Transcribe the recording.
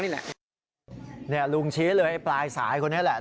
นี่ลุงชี้เลยปลายสายคนนั้นแหละ